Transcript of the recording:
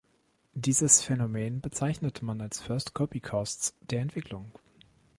Dieses Phänomen bezeichnet man als "First-Copy-Costs" der Entwicklung.